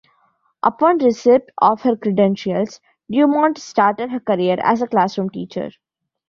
Upon receipt of her credentials, Dumont started her career as a classroom teacher.